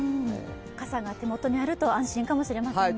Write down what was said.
傘が手元にあると安心かもしれませんね。